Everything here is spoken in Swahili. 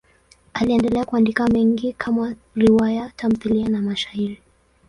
Aliendelea kuandika mengi kama riwaya, tamthiliya na mashairi.